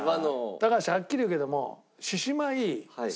高橋はっきり言うけども。